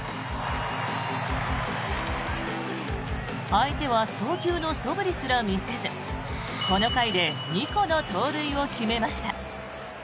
相手は送球のそぶりすら見せずこの回で２個の盗塁を決めました。